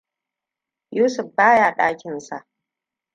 Yusuf baya dakinsa.